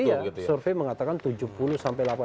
iya survei mengatakan tujuh puluh sampai delapan puluh